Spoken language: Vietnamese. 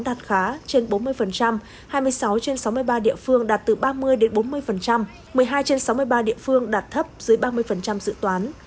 đạt khá trên bốn mươi hai mươi sáu trên sáu mươi ba địa phương đạt từ ba mươi bốn mươi một mươi hai trên sáu mươi ba địa phương đạt thấp dưới ba mươi dự toán